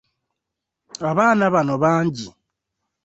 Abaana bano bangi.